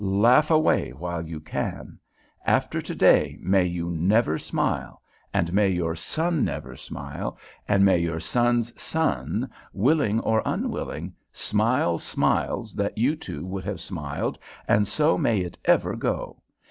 'Laugh away while you can. After to day may you never smile, and may your son never smile, and may your son's son, willing or unwilling, smile smiles that you two would have smiled, and so may it ever go!